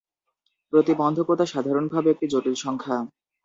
প্রতিবন্ধকতা সাধারণভাবে একটি জটিল সংখ্যা।